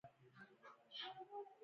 د ننګرهار په لعل پورې کې د مرمرو نښې شته.